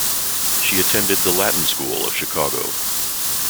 She attended the Latin School of Chicago.